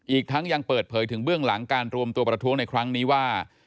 อีกทั้งยังเปิดเผยถึงเบื้องหลังการรวมตัวประท้วงในครั้งนี้ว่า